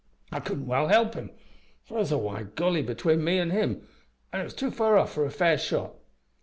I couldn't well help him, for there was a wide gully between him an' me, an' it was too fur off for a fair shot.